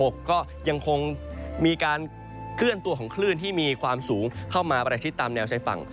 ก็ยังคงมีการเคลื่อนตัวของคลื่นที่มีความสูงเข้ามาประชิดตามแนวชายฝั่ง